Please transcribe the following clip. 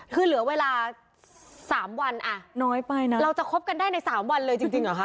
คือเหลือเวลาสามวันอ่ะน้อยไปนะเราจะคบกันได้ในสามวันเลยจริงจริงเหรอคะ